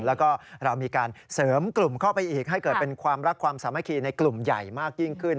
แล้วก็เรามีการเสริมกลุ่มเข้าไปอีกให้เกิดเป็นความรักความสามัคคีในกลุ่มใหญ่มากยิ่งขึ้น